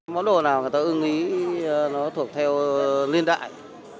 món đồ nào người ta ưng ý nó thuộc theo niên đại